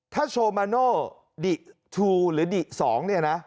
ถ้าโชมาโน่ดิทูหรือดิ๒เนี่ยนะ